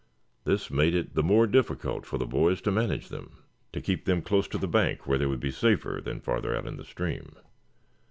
This made it the more difficult for the boys to manage them, to keep them close to the bank where they would be safer than farther out in the stream.